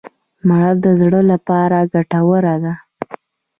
مڼه د زړه لپاره ګټوره ده.